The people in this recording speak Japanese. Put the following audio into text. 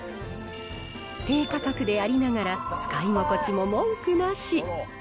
低価格でありながら、使い心地も文句なし。